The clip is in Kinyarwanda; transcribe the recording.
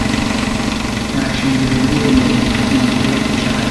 Nta shingiro ry'ubumenyi kuri ibi birego cyane